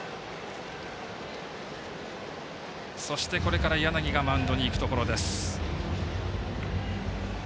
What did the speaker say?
そして、これから柳がマウンドに行くところです。